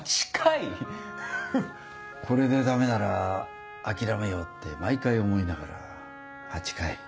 これでダメなら諦めようって毎回思いながら８回。